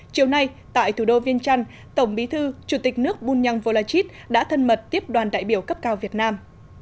chiều nay tại thủ đô viên trăn tổng bí thư chủ tịch nước bunyang volachit đã thân mật tiếp đoàn đại biểu cấp cao việt nam